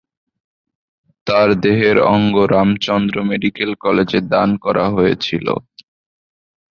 তাঁর দেহের অঙ্গ রামচন্দ্র মেডিকেল কলেজে দান করা হয়েছিল।